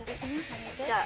じゃあ。